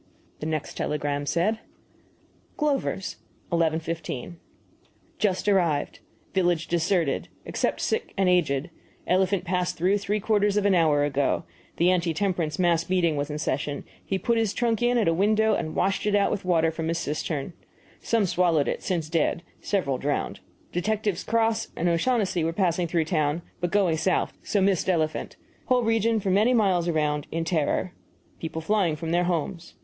The next telegram said: GLOVER'S, 11.15 Just arrived. Village deserted, except sick and aged. Elephant passed through three quarters of an hour ago. The anti temperance mass meeting was in session; he put his trunk in at a window and washed it out with water from cistern. Some swallowed it since dead; several drowned. Detectives Cross and O'Shaughnessy were passing through town, but going south so missed elephant. Whole region for many miles around in terror people flying from their homes.